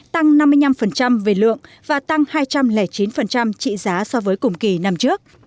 tăng năm mươi năm về lượng và tăng hai trăm linh chín trị giá so với cùng kỳ năm trước